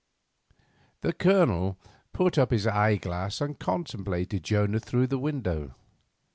The Colonel put up his eyeglass and contemplated Jonah through the window.